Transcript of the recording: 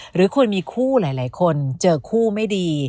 หรือคนมีคู่หลายคนเจอคู่ไม่ดี